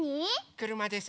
くるまです。